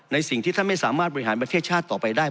สิ่งที่ท่านไม่สามารถบริหารประเทศชาติต่อไปได้